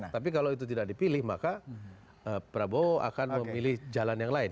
tapi kalau itu tidak dipilih maka prabowo akan memilih jalan yang lain